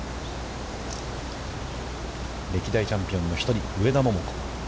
歴代チャンピオンの１人上田桃子。